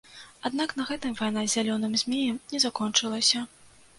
Аднак на гэтым вайна з зялёным змеем не закончылася.